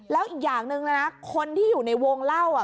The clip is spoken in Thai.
แล้วอีกอย่างหนึ่งนะคนที่อยู่ในวงเล่า